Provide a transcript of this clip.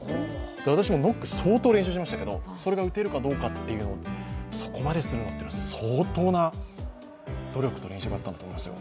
私もノック相当練習しましたけど、それが打てるかどうか、そこまでするのは相当な努力と練習があったんだと思いますよ。